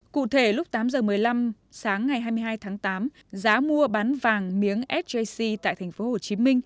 cụ thể lúc tám h một mươi năm sáng ngày hai mươi hai tháng tám giá mua bán vàng miếng sjc tại tp hcm